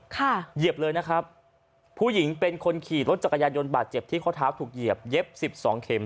เหยียบเลยนะครับผู้หญิงเป็นคนขี่รถจักรยานยนต์บาดเจ็บที่ข้อเท้าถูกเหยียบเย็บสิบสองเข็ม